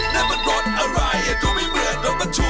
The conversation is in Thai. นั่นมันรถอะไรก็ไม่เหมือนรถบรรทุก